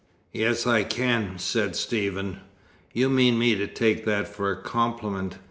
"Yes, I can," said Stephen. "You mean me to take that for a compliment.